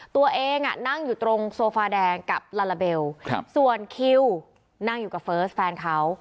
ตัวเองนั่งอยู่ตรงโซฟาแดงกับลาลาเบลส่วนคิวนั่งอยู่กับเฟิร์สแฟนเขา